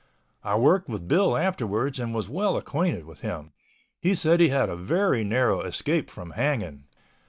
I worked with Bill afterwards and was well acquainted with him. He said he had a very narrow escape from hanging.